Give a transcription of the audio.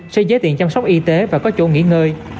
xây dế tiện chăm sóc y tế và có chỗ nghỉ ngơi